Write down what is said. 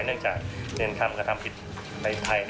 เนื่องจากเนรทำกระทำผิดในภัย